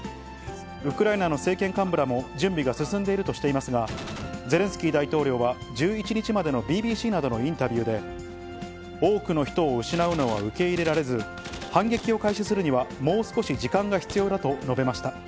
ウクライナの政権幹部らも準備が進んでいるとしていますが、ゼレンスキー大統領は１１日までのＢＢＣなどのインタビューで、多くの人を失うのは受け入れられず、反撃を開始するにはもう少し時間が必要だと述べました。